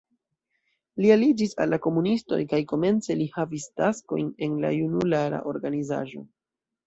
Li aliĝis al la komunistoj kaj komence li havis taskojn en la junulara organizaĵo.